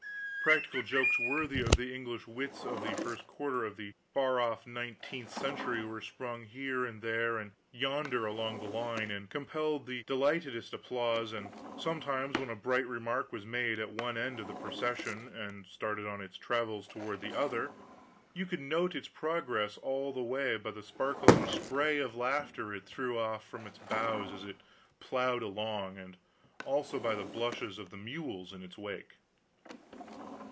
Practical jokes worthy of the English wits of the first quarter of the far off nineteenth century were sprung here and there and yonder along the line, and compelled the delightedest applause; and sometimes when a bright remark was made at one end of the procession and started on its travels toward the other, you could note its progress all the way by the sparkling spray of laughter it threw off from its bows as it plowed along; and also by the blushes of the mules in its wake.